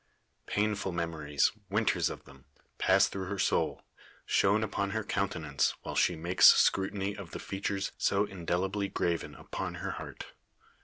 Painful memories, winters of them, pass through her soul, shown upon her countenance, while she makes scrutiny of the features so indelibly graven upon her heart.